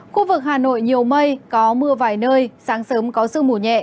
khu vực hà nội nhiều mây có mưa vài nơi sáng sớm có sương mù nhẹ